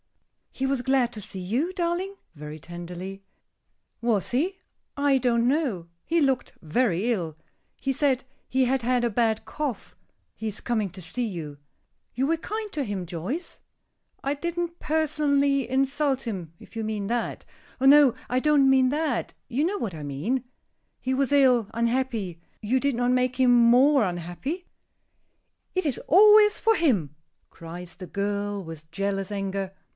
"He was glad to see you, darling?" very tenderly. "Was he? I don't know. He looked very ill. He said he had had a bad cough. He is coming to see you." "You were kind to him, Joyce?" "I didn't personally insult him, if you mean that." "Oh, no, I don't mean that, you know what I mean. He was ill, unhappy; you did not make him more unhappy?" "It is always for him!" cries the girl, with jealous anger.